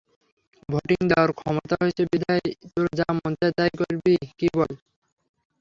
Voting দেওয়ার ক্ষমতা হয়েছে, বিধায় তোর যা মন চায় তাই করবি কি বল?